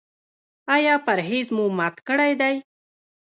ایا پرهیز مو مات کړی دی؟